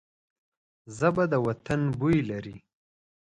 ژبه د وطن بوی لري